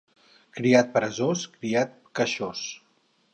Criat peresós, criat queixós.